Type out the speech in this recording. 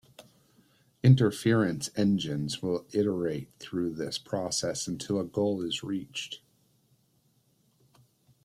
Inference engines will iterate through this process until a goal is reached.